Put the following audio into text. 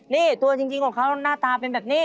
นี่ตัวจริงของเขาหน้าตาเป็นแบบนี้